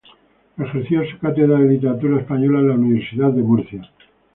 Ejerció su cátedra de Literatura Española en la Universidad de Murcia.